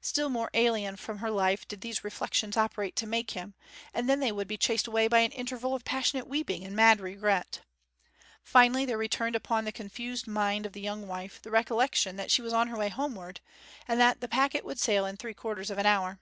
Still more alien from her life did these reflections operate to make him; and then they would be chased away by an interval of passionate weeping and mad regret. Finally, there returned upon the confused mind of the young wife the recollection that she was on her way homeward, and that the packet would sail in three quarters of an hour.